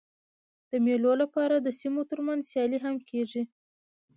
د مېلو له پاره د سیمو تر منځ سیالۍ هم کېږي.